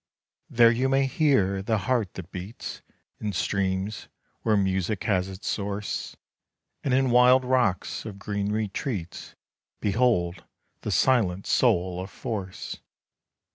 There you may hear the heart that beats In streams, where music has its source; And in wild rocks of green retreats Behold the silent soul of force.